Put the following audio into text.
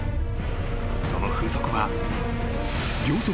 ［その風速は］